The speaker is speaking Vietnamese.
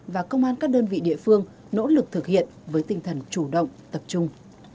và công an các đơn vị địa phương nỗ lực thực hiện với tinh thần chủ động tập trung